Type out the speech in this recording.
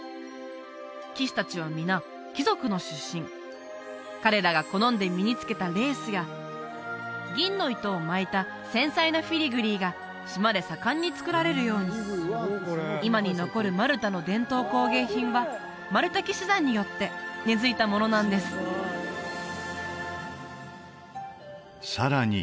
騎士達は皆貴族の出身彼らが好んで身につけたレースや銀の糸を巻いた繊細なフィリグリーが島で盛んに作られるように今に残るマルタの伝統工芸品はマルタ騎士団によって根付いたものなんですさらに